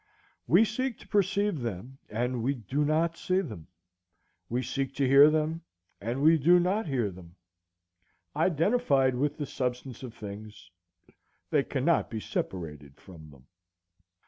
"We seek to perceive them, and we do not see them; we seek to hear them, and we do not hear them; identified with the substance of things, they cannot be separated from them."